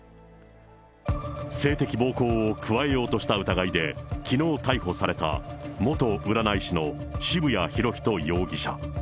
性的暴行を加えようとした疑いできのう逮捕された元占い師の渋谷博仁容疑者。